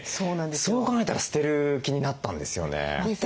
そう考えたら捨てる気になったんですよね。